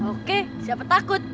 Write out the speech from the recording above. oke siapa takut